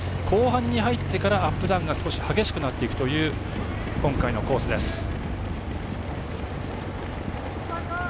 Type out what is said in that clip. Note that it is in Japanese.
後半に入ってからアップダウンが激しくなっていくという今回のコースです。